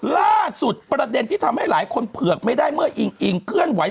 ล่าสุดประเด็นที่ทำให้หลายคนเผือกไม่ได้เมื่ออิงอิงเคลื่อนไหว